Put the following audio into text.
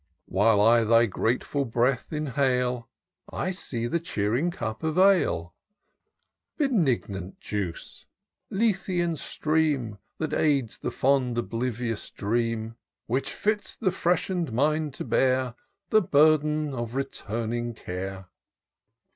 " While I thy grateful breath inhale, I see the cheering cup of ale ; Benignant juice ! Lethean stream ! That aids the fond oblivious dream, IN SEARCH OF THE PICTURESQUE. 351 Which fits the freshened mind to bear The burden of returning care.